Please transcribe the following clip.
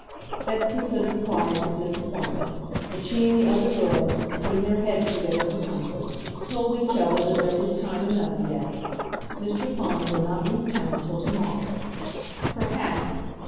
Betsy could have cried with disappointment; but she and the other girls, putting their heads together for comfort, told each other that there was time enough yet. Mr. Pond would not leave town till tomorrow. Perhaps